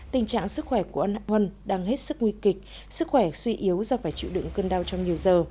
tình trạng sức khỏe của ân huân đang hết sức nguy kịch sức khỏe suy yếu do phải chịu đựng cơn đau trong nhiều giờ